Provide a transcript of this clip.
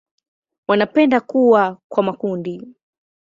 Wanapenda kuwa kwa makundi.